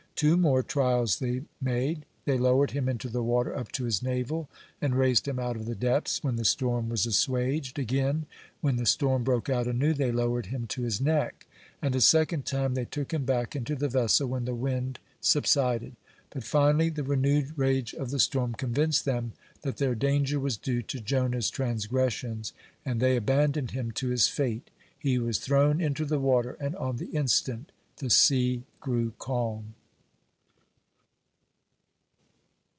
Two more trials they made. They lowered him into the water up to his navel, and raised him out of the depths when the storm was assuaged. Again, when the storm broke out anew, they lowered him to his neck, and a second time they took him back into the vessel when the wind subsided. (29) But finally the renewed rage of the storm convinced them that their danger was due to Jonah's transgressions, and they abandoned him to his fate. He was thrown into the water, and on the instant the sea grew calm.